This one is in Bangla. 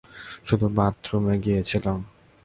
শুধু বাথরুমে গিয়েছিলাম।